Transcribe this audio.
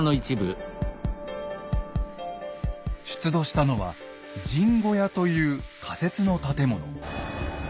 出土したのは「陣小屋」という仮設の建物。